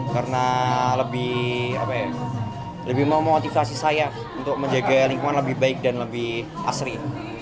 karena lebih memotivasi saya untuk menjaga lingkungan lebih baik dan lebih asri